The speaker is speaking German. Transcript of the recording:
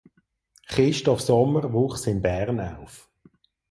Christoph Sommer wuchs in Bern auf.